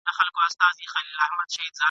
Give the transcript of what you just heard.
ګناه ستا ده او همدغه دي سزا ده ..